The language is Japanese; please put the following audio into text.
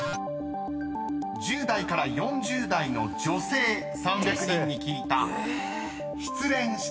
［１０代から４０代の女性３００人に聞いた］